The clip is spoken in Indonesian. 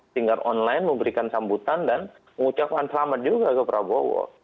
tinggal online memberikan sambutan dan mengucapkan selamat juga ke prabowo